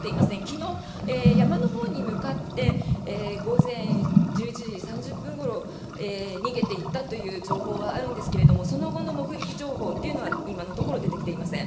昨日、山のほうに向かって午前１１時３０分ごろ逃げていったという情報はあるんですけれどその後の目撃情報というのは今のところ出てきていません。